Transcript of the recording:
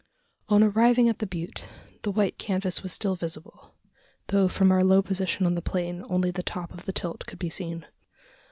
On arriving at the butte, the white canvas was still visible; though from our low position on the plain, only the top of the tilt could be seen.